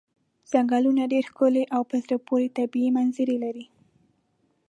څنګلونه ډېرې ښکلې او په زړه پورې طبیعي منظرې لري.